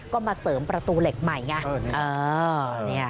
ก็มาเสริมประตูเหล็กใหม่ไง